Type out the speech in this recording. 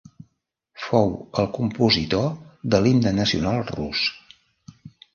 Fou el compositor de l'himne nacional rus.